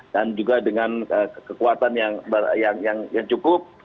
dan juga dengan kekuatan yang cukup